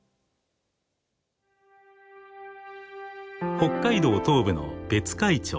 北海道東部の別海町。